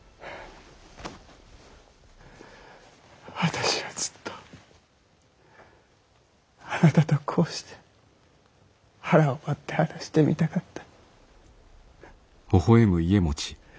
私はずっとあなたとこうして腹を割って話してみたかった。